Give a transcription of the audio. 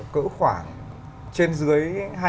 cỡ khoảng trên dưới